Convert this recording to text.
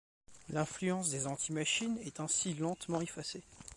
L'influence des anti-Machines est ainsi lentement effacée.